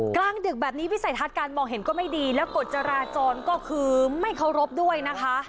กลางดึกแบบนี้วิสัยทัศน์การมองเห็นก็ไม่ดีแล้วกฎจราจรก็คือไม่เคารพด้วยนะคะ